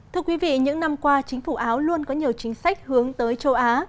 thưa quý vị những năm qua chính phủ áo luôn có nhiều chính sách hướng tới châu á